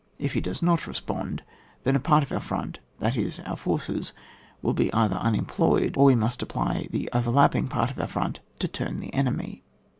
If he does not respond, then a part of our front, that is of our forces, will be either tmemployed, or we must apply the overlapping part of our front to turn the enemy.